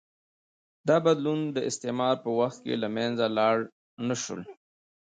دا بدلونونه د استعمار په وخت کې له منځه لاړ نه شول.